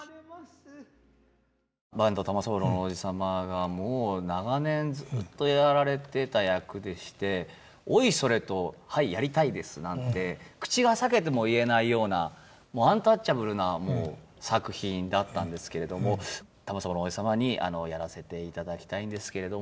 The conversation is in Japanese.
坂東玉三郎のおじ様がもう長年ずっとやられてた役でしておいそれと「はいやりたいです」なんて口が裂けても言えないようなもうアンタッチャブルな作品だったんですけれども玉三郎のおじ様に「やらせていただきたいんですけれども」と言ったら。